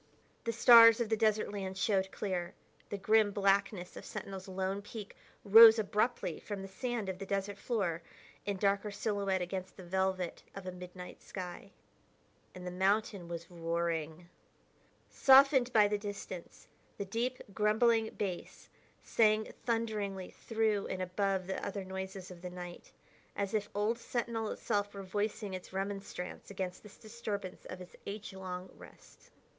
The stars of the desert land showed clear; the grim blackness of Sentinel's lone peak rose abruptly from the sand of the desert floor in darker silhouette against the velvet of a midnight sky. And the mountain was roaring. Softened by the distance, the deep, grumbling bass sang thunderingly through and above the other noises of the night, as if old Sentinel itself were voicing its remonstrance against this disturbance of its age long rest.